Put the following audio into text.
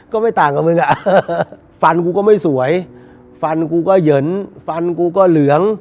ก็ไม่ต่างกับมึงอ่ะฟันกูก็ไม่สวยฟันกูก็เหยินฟันกูก็เหลือง